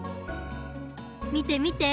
みてみて！